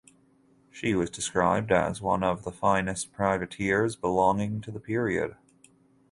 She was described as ‘one of the finest privateers belonging to the period’.